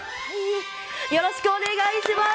よろしくお願いします！